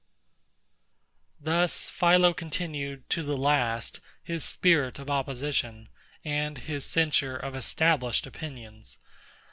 Thus PHILO continued to the last his spirit of opposition, and his censure of established opinions.